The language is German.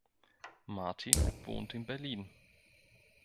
Martin wohnt in Berlin.